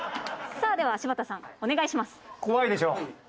さあでは柴田さんお願いします。